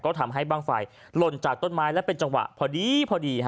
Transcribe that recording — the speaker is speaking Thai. ก็ทำให้บ้างไฟหล่นจากต้นไม้และเป็นจังหวะพอดีพอดี